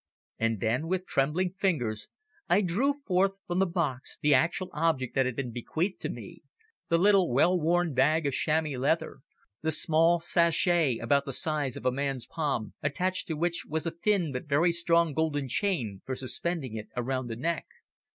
And then, with trembling fingers, I drew forth from the box the actual object that had been bequeathed to me, the little well worn bag of chamois leather, the small sachet about the size of a man's palm, attached to which was a thin but very strong golden chain for suspending it around the neck.